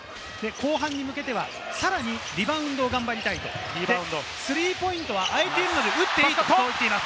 後半に向けては、さらにリバウンド頑張りたいと、スリーポイントはあいてるので打っていいということです。